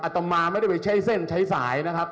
ตมาไม่ได้ไปใช้เส้นใช้สายนะครับ